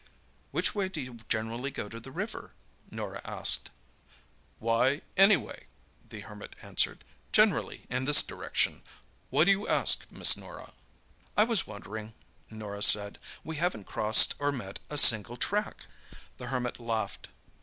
"Which way do you generally go to the river?" Norah asked. "Why, anyway," the Hermit answered. "Generally in this direction. Why do you ask, Miss Norah?" "I was wondering," Norah said. "We haven't crossed or met a single track." The Hermit laughed.